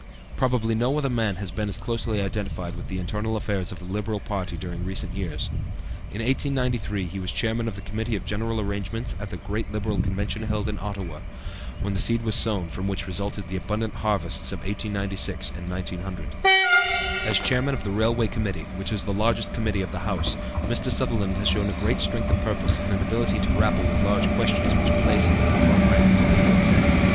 Probably no other man has been as closely identified with the internal affairs of the Liberal party during recent years. In 1893 he was Chairman of the Committee of General Arrangements at the great Liberal convention held in Ottawa, when the seed was sown from which resulted the abundant harvests of 1896 and 1900. As Chairman of the Railway Committee, which is the largest committee of the House, Mr. Sutherland has shown a strength of purpose and an ability to grapple with large questions which place him in the front rank as a leader of men.